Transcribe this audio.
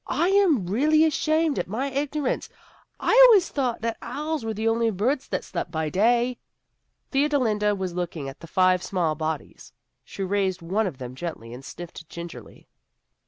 I am really ashamed of my ignorance. I always thought that owls were the only birds that slept by day." Theodolinda was looking at the five small bodies. She raised one of them gently, and sniffed gingerly.